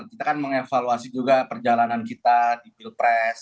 kita kan mengevaluasi juga perjalanan kita di pilpres